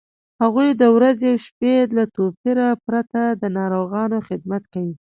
هغوی د ورځې او شپې له توپیره پرته د ناروغانو خدمت کوي.